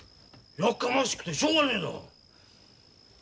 やかましくてしょうがねえな！